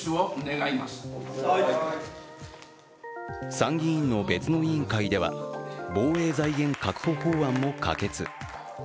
参議院の別の委員会では防衛財源確保法案も可決。